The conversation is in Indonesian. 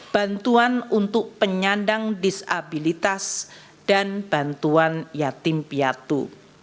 bantuan untuk penyandang disabilitas dan bantuan yatim piatu